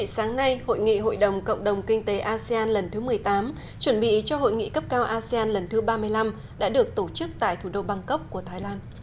sáng nay hội nghị hội đồng cộng đồng kinh tế asean lần thứ một mươi tám chuẩn bị cho hội nghị cấp cao asean lần thứ ba mươi năm đã được tổ chức tại thủ đô bangkok của thái lan